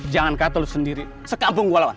jangan kata lo sendiri sekampung gue lawan